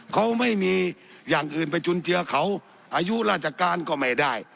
เขาไม่มีอย่างอื่นไปจุนเจือเขาอายุราชการก็ไม่ได้